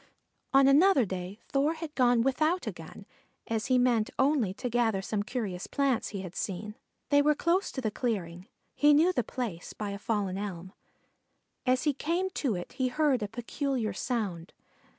On another day Thor had gone without a gun, as he meant only to gather some curious plants he had seen. They were close to the clearing; he knew the place by a fallen elm. As he came to it he heard a peculiar sound.